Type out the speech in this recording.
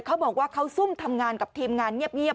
เขาบอกว่าเขาซุ่มทำงานกับทีมงานเงียบ